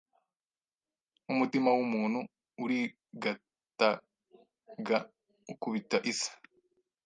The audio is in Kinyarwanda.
Nkumutima wumuntu urigatag ukubita Isi